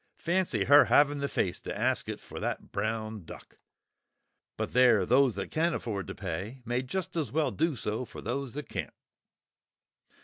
Fancy her having the face to ask it for that brown duck! But there, those that can afford to pay may just as well do so for those who can't."